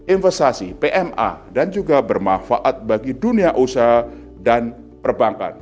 investasi pma dan juga bermanfaat bagi dunia usaha dan perbankan